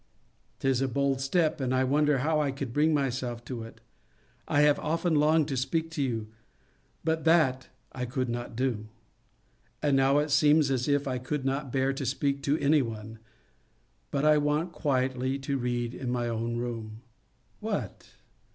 'T is a bold step, and I wonder how I could bring myself to it. I have often longed to speak to you, but that I could not do. And now it seems as if I could not bear to speak to any one, but I want quietly to read in my own room. "W hat